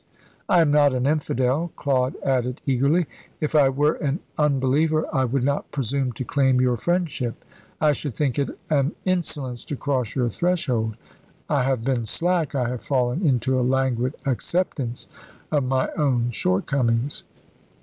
I am not an infidel," Claude added eagerly. "If I were an unbeliever, I would not presume to claim your friendship. I should think it an insolence to cross your threshold. I have been slack, I have fallen into a languid acceptance of my own shortcomings."